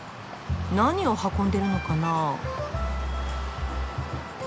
何を運んでるのかなぁ？